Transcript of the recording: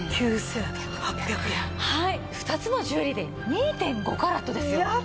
２つのジュエリーで２．５カラットですよ。